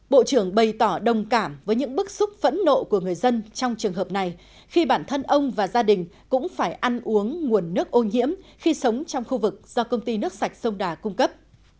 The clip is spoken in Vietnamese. bộ trưởng bày tỏ đồng cảm với những bức xúc phẫn nộ của người dân trong trường hợp này khi bản thân ông và gia đình cũng phải ăn uống nguồn nước ô nhiễm khi sống trong khu vực do công ty nước sạch sông đà cung cấp